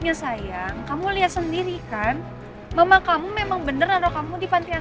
mama kamu itu gak mau ngerawat kamu